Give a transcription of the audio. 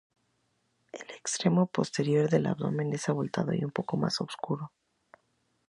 El extremo posterior del abdomen es abultado y un poco más oscuro.